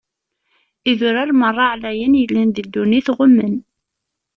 Idurar meṛṛa ɛlayen yellan di ddunit, ɣummen.